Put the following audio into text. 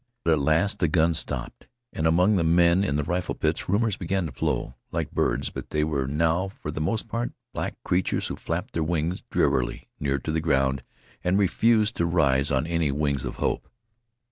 But at last the guns stopped, and among the men in the rifle pits rumors again flew, like birds, but they were now for the most part black creatures who flapped their wings drearily near to the ground and refused to rise on any wings of hope.